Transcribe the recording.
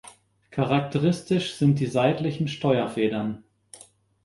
Charakteristisch sind die seitlichen Steuerfedern.